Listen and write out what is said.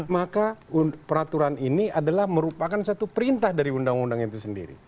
maka peraturan ini adalah merupakan satu perintah dari undang undang itu sendiri